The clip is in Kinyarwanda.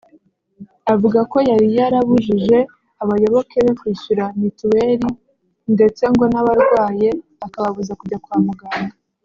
Avuga ko yari yarabujije abayoboke be kwishyura mituweli ndetse ngo n’abarwaye akababuza kujya kwa muganga